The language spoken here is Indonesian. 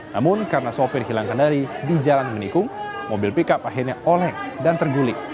namun karena sopir hilang kendari di jalan menikung mobil pickup akhirnya oleng dan tergulik